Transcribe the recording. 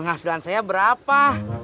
ya tujuan saya berapa